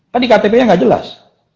kan di ktp nya nggak jelas